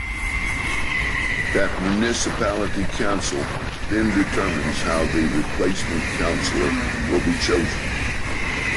That municipality council then determines how the replacement councillor will be chosen.